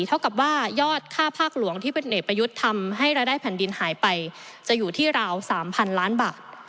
เท่ากับว่ายอดค่าภาคหลวงที่เป็นเอกประยุทธ์ทำให้รายได้แผ่นดินหายไปจะอยู่ที่ราว๓๐๐๐ล้านบาท